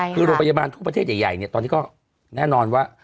คือโรงพยาบาลทุกประเทศใหญ่เนี่ยตอนนี้ก็แน่นอนว่า